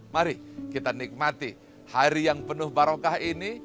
mari kita nikmati hari yang penuh barokah ini